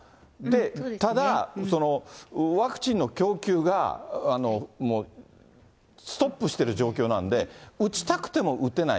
ただ、ワクチンの供給がストップしている状況なんで、打ちたくても打てない。